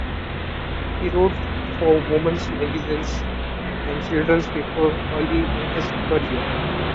He wrote for women's magazines and children's papers early in his career.